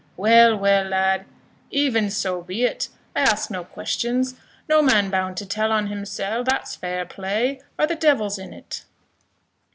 "Well, well, lad; even so be it; I ask no questions no man bound to tell on himsell that's fair play, or the devil's in't."